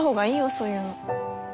そういうの。